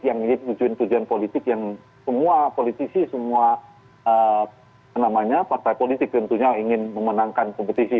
yang menjadi tujuan tujuan politik yang semua politisi semua partai politik tentunya ingin memenangkan kompetisi